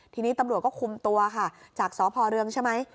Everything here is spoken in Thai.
ทีนี้ตำรวจก็คุมตัวค่ะจากสพเรืองใช่ไหม